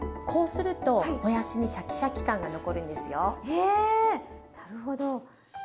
へえなるほど。